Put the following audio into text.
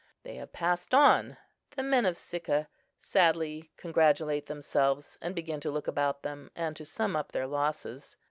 They have passed on; the men of Sicca sadly congratulate themselves, and begin to look about them, and to sum up their losses.